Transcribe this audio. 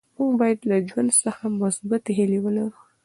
موږ باید له ژوند څخه مثبتې هیلې ولرو.